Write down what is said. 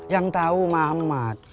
yang tahu muhammad